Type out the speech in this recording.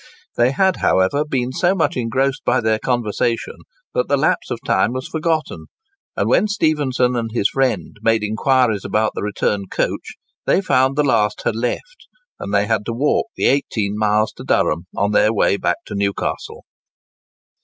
They had, however, been so much engrossed by their conversation, that the lapse of time was forgotten, and when Stephenson and his friend made enquiries about the return coach, they found the last had left; and they had to walk the 18 miles to Durham on their way back to Newcastle.